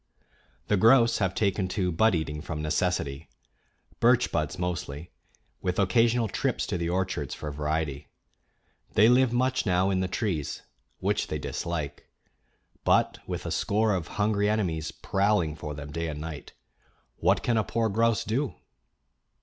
The grouse have taken to bud eating from necessity birch buds mostly, with occasional trips to the orchards for variety. They live much now in the trees, which they dislike; but with a score of hungry enemies prowling for them day and night, what can a poor grouse do?